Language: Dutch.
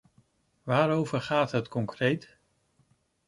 Waarover gaat het concreet?